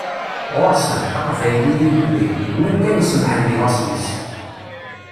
Ɣur-sen "Aqbayli ilelli" d win kan isemmḥen deg laṣel-is.